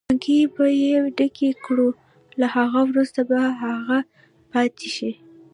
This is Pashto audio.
ټانکۍ به یې ډکې کړو، له هغه وروسته به هغه پاتې.